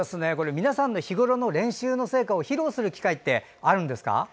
皆さんの日ごろの練習の成果を披露する機会ってあるんですか。